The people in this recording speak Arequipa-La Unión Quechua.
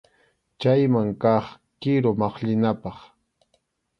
Chayman kaq kiru maqllinapaq.